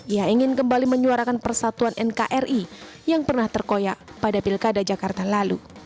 ia ingin kembali menyuarakan persatuan nkri yang pernah terkoyak pada pilkada jakarta lalu